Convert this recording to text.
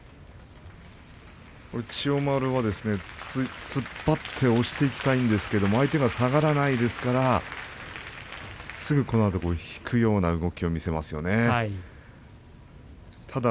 千代丸は突っ張って押していきたいんですが相手が下がらないですからすぐこのあと引くような動きを見せました。